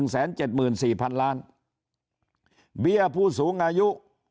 แสนเจ็ดหมื่นสี่พันล้านเบี้ยผู้สูงอายุ